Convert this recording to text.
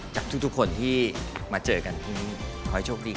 จากทุกคนที่มาเจอกันทุกวันนี้ขอให้โชคดีค่ะ